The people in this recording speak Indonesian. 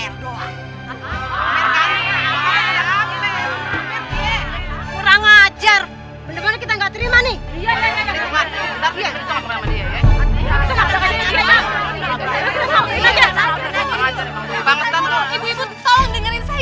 eh apa apaan dateng dateng ke sini rame rame begini